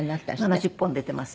７０本出ています。